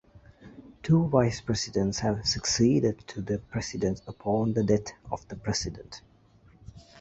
Two vice presidents have succeeded to the president upon the death of the president.